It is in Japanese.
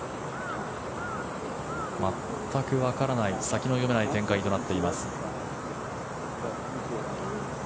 全くわからない先の読めない展開となっています。